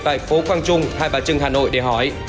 tại phố quang trung hai bà trưng hà nội để hỏi